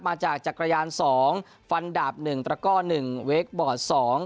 มาจากจักรยานสองฟันดาบหนึ่งตระก้อ๑เวคบอร์ด๒